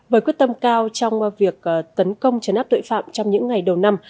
với quyết tâm cao trong việc tấn công chấn áp tội phạm trong những ngày đầu năm